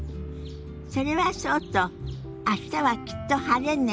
それはそうと明日はきっと晴れね。